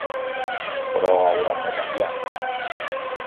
Però hauran de canviar.